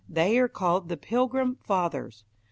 They are called the "Pilgrim Fathers".